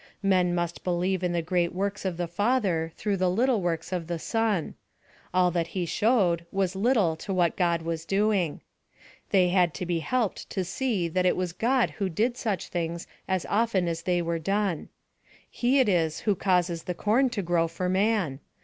Men must believe in the great works of the Father through the little works of the Son: all that he showed was little to what God was doing. They had to be helped to see that it was God who did such things as often as they were done. He it is who causes the corn to grow for man.